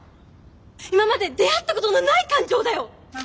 今まで出会ったことのない感情だよ！